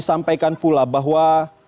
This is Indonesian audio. sampaikan pula bahwa